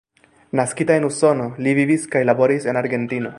Naskita en Usono, li vivis kaj laboris en Argentino.